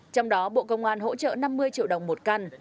trong đó bộ công an hỗ trợ năm mươi triệu đồng một căn